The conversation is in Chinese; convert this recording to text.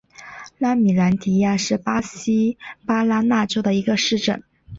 拉米兰迪亚是巴西巴拉那州的一个市镇。